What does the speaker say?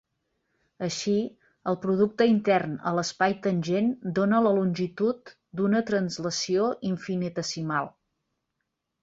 Així, el producte intern a l'espai tangent dona la longitud d'una translació infinitesimal.